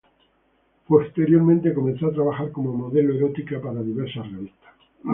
Posteriormente comenzó a trabajar como modelo erótica para diversas revistas.